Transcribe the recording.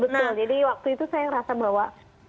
betul jadi waktu itu saya merasa bahwa